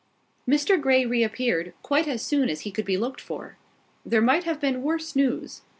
Mr Grey reappeared, quite as soon as he could be looked for. There might have been worse news.